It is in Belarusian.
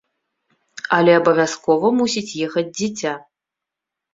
Але абавязкова мусіць ехаць дзіця.